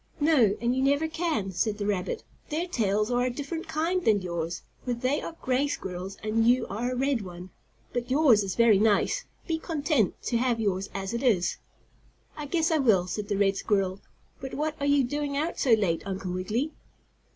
"No, and you never can," said the rabbit. "Their tails are a different kind than yours, for they are gray squirrels and you are a red one. But yours is very nice. Be content to have yours as it is." "I guess I will," said the red squirrel. "But what are you doing out so late, Uncle Wiggily?"